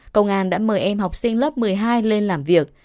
công an đã mời em học sinh lớp một mươi hai lên làm việc